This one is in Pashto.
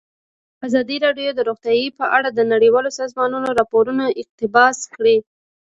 ازادي راډیو د روغتیا په اړه د نړیوالو سازمانونو راپورونه اقتباس کړي.